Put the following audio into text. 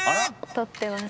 撮ってます。